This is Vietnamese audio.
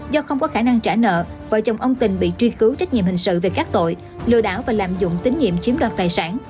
do không có khả năng trả nợ vợ chồng ông tình bị truy cứu trách nhiệm hình sự về các tội lừa đảo và lạm dụng tín nhiệm chiếm đoạt tài sản